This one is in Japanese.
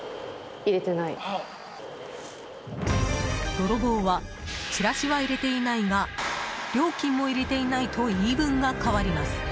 泥棒はチラシは入れていないが料金も入れていないと言い分が変わります。